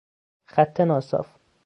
خط ناصاف